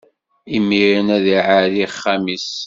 Imiren ad iɛerri axxam-is.